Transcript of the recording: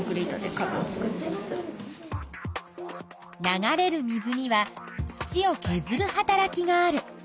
流れる水には土をけずるはたらきがある。